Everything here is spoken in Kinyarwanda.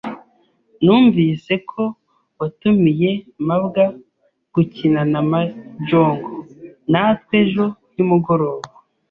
Numvise ko watumiye mabwa gukina na mahjong natwe ejo nimugoroba.